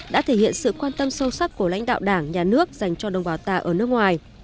đã thể hiện sự quan tâm sâu sắc của lãnh đạo đảng nhà nước dành cho đồng bào ta ở nước ngoài